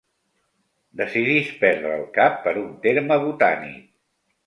Decidís perdre el cap per un terme botànic.